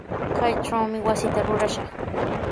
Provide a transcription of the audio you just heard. Kaytrawmi wasita rurashaq.